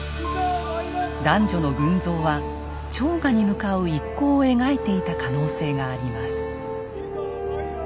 男女の群像は朝賀に向かう一行を描いていた可能性があります。